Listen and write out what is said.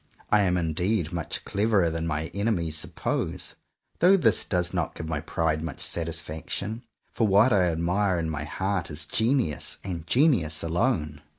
I am indeed much cleverer than my enemies suppose; though this does not give my pride much satisfaction, for what I admire in my heart is genius, and genius alone.